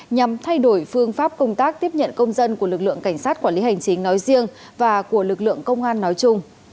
nhằm thay đổi phương pháp công tác tiếp nhận công dân của lực lượng cảnh sát quản lý hành trình